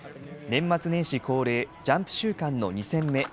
年末年始恒例、ジャンプ週間の２戦目。